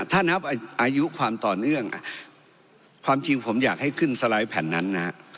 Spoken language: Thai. ถ้านับอายุความต่อเนื่องความจริงผมอยากให้ขึ้นสไลด์แผ่นนั้นนะฮะ